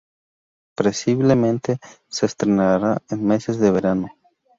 Previsiblemente, se estrenará en los meses de verano.